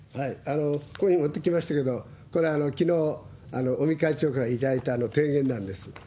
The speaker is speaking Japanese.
ここにも書きましたけれども、きのう尾身会長から頂いた提言なんです。